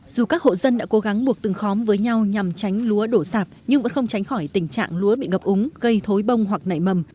dù các hộ dân đã cố gắng buộc từng khóm với nhau nhằm tránh lúa đổ sạp nhưng vẫn không tránh khỏi tình trạng lúa bị ngập úng gây thối bông hoặc nảy mầm